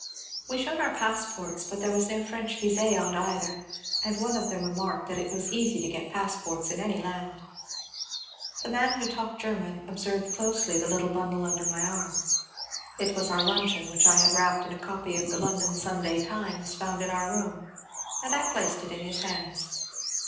We showed our passports, but there was no French vis^ on either and one of them remarked that it was easy to get passports in any land. The man who talked German observed closely the little bundle under my arm; it was our luncheon, which I had wrapped in a copy of the London '^ Sunday Times " found in our room, and I placed it in his hands.